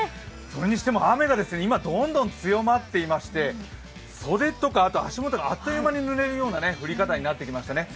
それにしても雨が今、どんどん強まっていまして袖とか足元があっという間にぬれるような降り方になってきました。